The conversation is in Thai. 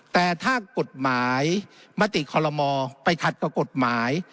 แต่ถ้ากฎหมายมติคอลโลมอไปขัดกับกฎหมาย